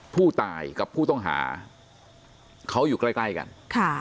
ผู้ตายกับผู้ต้องหาเขาอยู่ใกล้ใกล้กันค่ะ